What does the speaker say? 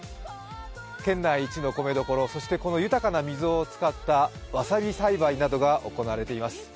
県内一の米どころ、そしてこの豊かな水を使ったわさび栽培などが行われています。